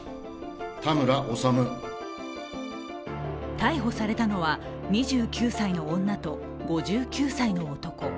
逮捕されたのは２９歳の女と５９歳の男。